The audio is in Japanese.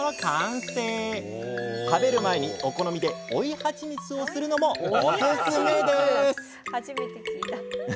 食べる前にお好みで追いハチミツをするのもオススメです。